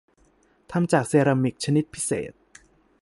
ทำจากเซรามิคชนิดพิเศษ